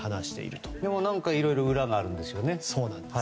でも、いろいろ裏があるんですよね。